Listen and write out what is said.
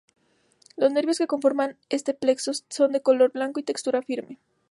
Los nervios que conforman este plexo son de color blanco y textura firme.